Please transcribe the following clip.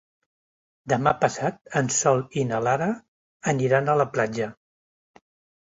Demà passat en Sol i na Lara aniran a la platja.